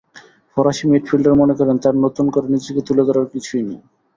ফরাসি মিডফিল্ডার মনে করেন, তাঁর নতুন করে নিজেকে তুলে ধরার কিছু নেই।